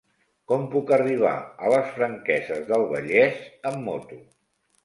Com puc arribar a les Franqueses del Vallès amb moto?